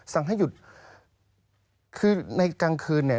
สั่งให้หยุดคือในกลางคืนเนี่ย